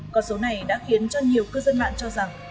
còn số này đã khiến cho nhiều cư dân mạng cho rằng